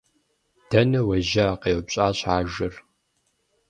- Дэнэ уежьа? - къеупщӏащ ажэр.